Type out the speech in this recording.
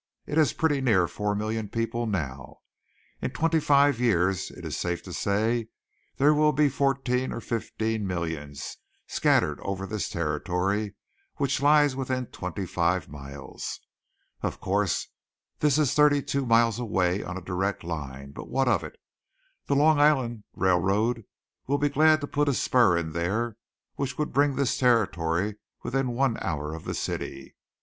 It has pretty near four million people now. In twenty five years it is safe to say that there will be fourteen or fifteen millions scattered over this territory which lies within twenty five miles. Of course, this is thirty two miles away on a direct line, but what of it? The Long Island Railroad will be glad to put a spur in there which would bring this territory within one hour of the city.